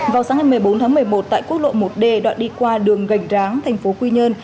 vào sáng ngày một mươi bốn tháng một mươi một tại quốc lộ một d đoạn đi qua đường gành ráng thành phố quy nhơn